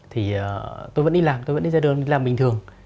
thì tôi vẫn đi làm tôi vẫn đi ra đường làm bình thường